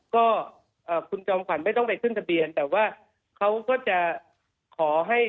ก็คุณจอมขวัญไม่ต้องไปขึ้นทะเบียนแต่ว่าเขาก็จะขอให้